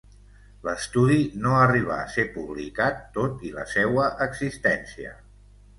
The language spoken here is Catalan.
L’estudi no arribà a ser publicat tot i la seua existència.